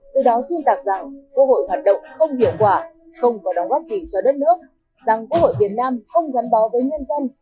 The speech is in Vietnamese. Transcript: từ đó xuyên tạc rằng quốc hội hoạt động không hiệu quả không có đóng góp gì cho đất nước rằng quốc hội việt nam không gắn bó với nhân dân